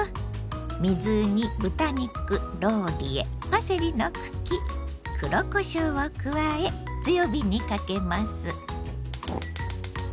水に豚肉ローリエパセリの茎黒こしょうを加え強火にかけます。